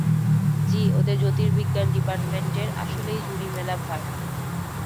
জ্বি, ওদের জ্যোতির্বিজ্ঞান ডিপার্টমেন্টের আসলেই জুড়ি মেলা ভার!